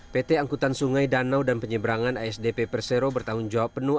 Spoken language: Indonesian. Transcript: pt angkutan sungai danau dan penyeberangan asdp persero bertanggung jawab penuh